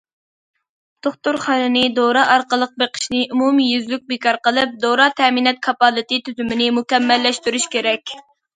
دوختۇرخانىنى دورا ئارقىلىق بېقىشنى ئومۇميۈزلۈك بىكار قىلىپ، دورا تەمىنات كاپالىتى تۈزۈمىنى مۇكەممەللەشتۈرۈش كېرەك.